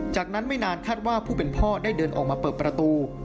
จากนั้นไม่นานคาดว่าผู้เป็นพ่อได้เดินออกมาเปิดประตู